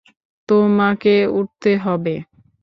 তোমাকে উঠতে হবে।